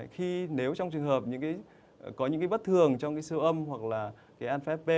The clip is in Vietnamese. khi nếu trong trường hợp có những cái bất thường trong cái siêu âm hoặc là cái an năm p